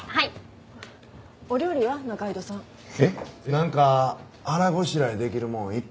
なんか腹ごしらえできるもん一品ください。